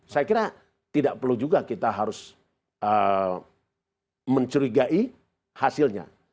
saya kira tidak perlu juga kita harus mencurigai hasilnya